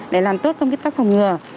để làm tốt công kích tác phòng ngừa